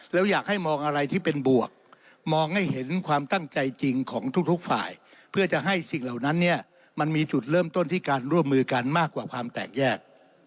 แล้วอยากให้มองอะไรที่เป็นบวกมองให้เห็นความตั้งใจจริงของทุกฝ่ายเพื่อจะให้สิ่งเหล่านั้นเนี่ยมันมีจุดเริ่มต้นที่การร่วมมือกันมากกว่าความแตกแยก